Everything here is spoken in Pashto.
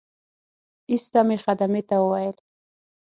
ایسته مې خدمې ته وویل.